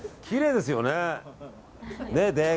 きれいですよね。